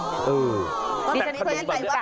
เป็นฉันไม่เคยได้ด้วยขนมที่ค่ะ